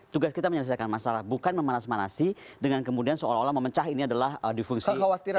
tugas kita menyelesaikan masalah bukan memanas manasi dengan kemudian seolah olah memecah ini adalah difungsi